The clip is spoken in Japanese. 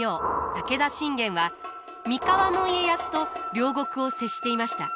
武田信玄は三河の家康と領国を接していました。